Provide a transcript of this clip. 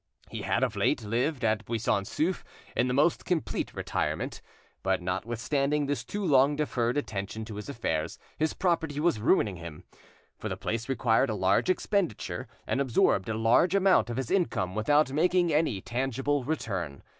He had of late lived at Buisson Souef in the most complete retirement; but notwithstanding this too long deferred attention to his affairs, his property was ruining him, for the place required a large expenditure, and absorbed a large amount of his income without making any tangible return.